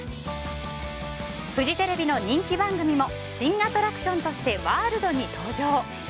フジテレビの人気番組も新アトラクションとしてワールドに登場。